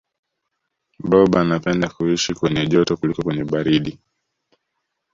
blob anapenda kuishi kwenye joto kuliko kwenye baridi